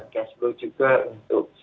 cash flow juga untuk